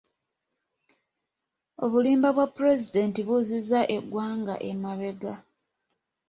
Obulimba bwa Pulezidenti buzizza eggwanga emabega.